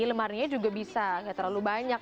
lemarinya juga bisa nggak terlalu banyak